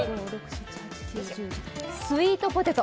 スイートポテト。